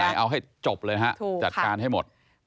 อะไรไหนเอาให้จบเลยฮะจัดการให้หมด